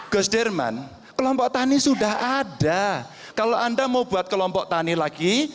gus derman kelompok tani sudah ada kalau anda mau buat kelompok tani lagi